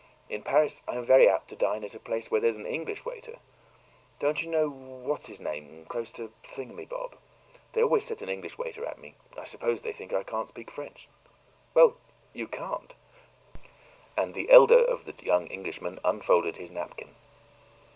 "In Paris I'm very apt to dine at a place where there's an English waiter. Don't you know what's his name's, close to the thingumbob? They always set an English waiter at me. I suppose they think I can't speak French." "Well, you can't." And the elder of the young Englishmen unfolded his napkin.